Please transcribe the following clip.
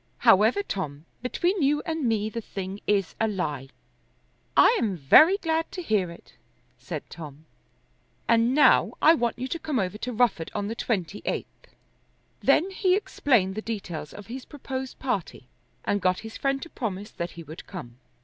However, Tom, between you and me the thing is a lie." "I am very glad to hear it," said Tom. "And now I want you to come over to Rufford on the twenty eighth." Then he explained the details of his proposed party, and got his friend to promise that he would come.